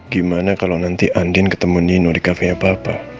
gimana kalau nanti andien ketemu nino di cafe nya papa